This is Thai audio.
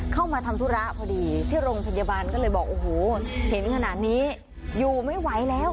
เข้ามาทำธุระพอดีที่โรงพยาบาลก็เลยบอกโอ้โหเห็นขนาดนี้อยู่ไม่ไหวแล้ว